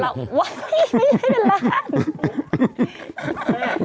ไม่ไม่ได้เป็นล้าน